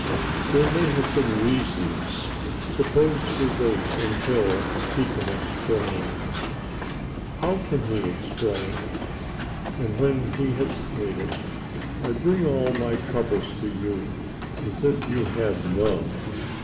"There may have been reasons. Suppose we wait until he can explain." "How can he explain?" And, when he hesitated: "I bring all my troubles to you, as if you had none.